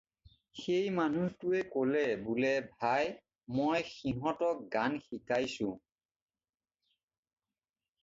"সেই মানুহটোৱে ক'লে বোলে- "ভাই মই সিহঁতক গান শিকাইছোঁ।"